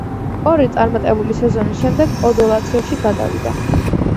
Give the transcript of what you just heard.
ორი წარმატებული სეზონის შემდეგ ოდო ლაციოში გადავიდა.